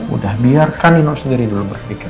udah biarkan inno sendiri dulu berpikir